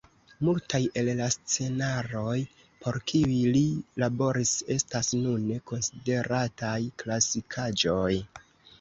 Multaj el la scenaroj por kiuj li laboris estas nune konsiderataj klasikaĵoj.